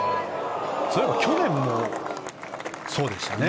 そういえば去年もそうでしたね。